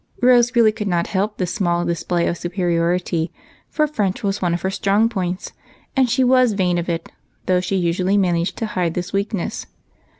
Rose really could not help this small display of superiority, for French was one of her strong points, and she was vain of it, though she usually managed to hide this weakness.